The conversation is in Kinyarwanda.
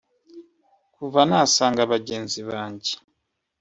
“Kuva nasanga bagenzi banjye